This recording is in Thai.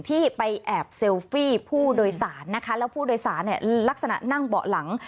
ที่ไปแอบเซลฟี่ผู้โดยสารนะคะแล้วผู้โดยสารเนี่ยลักษณะนั่งเบาะหลัง